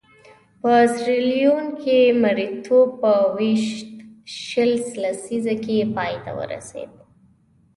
په سیریلیون کې مریتوب په ویشت شل لسیزه کې پای ته ورسېد.